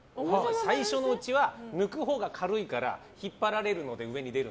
最初のうちは抜くほうが軽いから引っ張られるので上に出るの。